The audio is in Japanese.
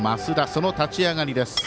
その立ち上がりです。